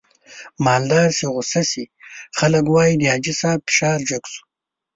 مالدار چې غوسه شي خلک واي د حاجي صاحب فشار جګ شو.